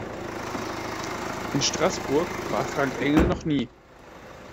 In Straßburg war Frank Engel noch nie.